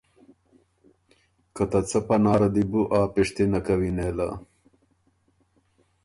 که ته څۀ پناره دی بو آ پِشتِنه کوی نېله،